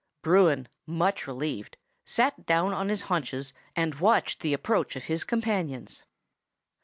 Bruin, much relieved, sat down on his haunches, and watched the approach of his companions.